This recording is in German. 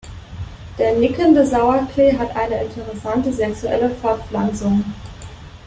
Der Nickende Sauerklee hat eine interessante sexuelle Fortpflanzung.